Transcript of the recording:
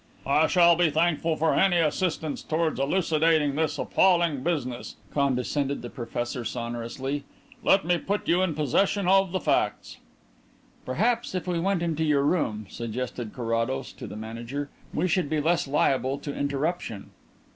"I shall be thankful for any assistance towards elucidating this appalling business," condescended the professor sonorously. "Let me put you in possession of the facts " "Perhaps if we went into your room," suggested Carrados to the manager, "we should be less liable to interruption."